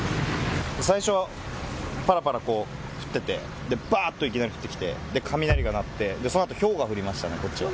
最初ぱらぱら降っていてばーっといきなり降ってきて雷が鳴ってそのあとひょうが降りました、こっちは。